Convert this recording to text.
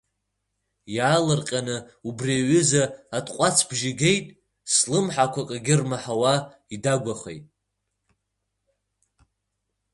Иаалырҟьаны убри аҩыза атҟәацбжьы геит, слымҳақәа акгьы рмаҳауа идагәахеит.